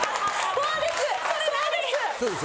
それです。